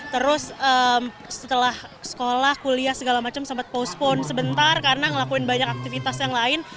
terus setelah sekolah kuliah segala macam sempat postpone sebentar karena ngelakuin banyak aktivitas yang lain